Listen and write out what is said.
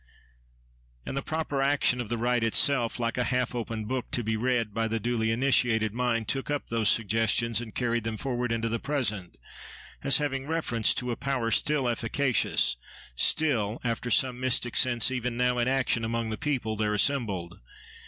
And the proper action of the rite itself, like a half opened book to be read by the duly initiated mind took up those suggestions, and carried them forward into the present, as having reference to a power still efficacious, still after some mystic sense even now in action among the people there assembled.